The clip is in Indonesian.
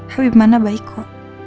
bagaimana baik kok